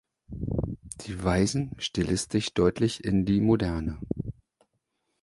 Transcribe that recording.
Sie weisen stilistisch deutlich in die Moderne.